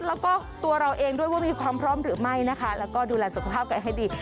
แล้วก็ตัวเราเองด้วยว่ามีความพร้อมหรือไม่นะคะแล้วก็ดูแลสุขภาพกันให้ดี